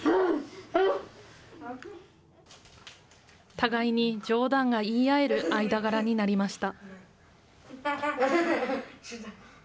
互いに冗談が言い合える間柄になりました。